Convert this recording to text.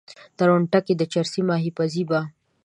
درونټه کې د چرسي ماهي پزي به